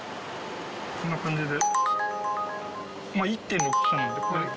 こんな感じで。